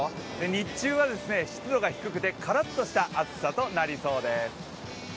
日中は湿度が低くて、カラッとした暑さになりそうです。